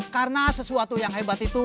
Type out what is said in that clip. karena sesuatu yang hebat itu